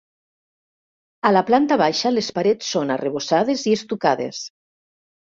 A la planta baixa les parets són arrebossades i estucades.